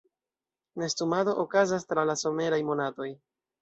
Nestumado okazas tra la someraj monatoj.